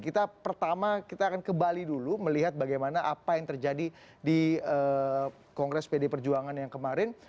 kita pertama kita akan ke bali dulu melihat bagaimana apa yang terjadi di kongres pdi perjuangan yang kemarin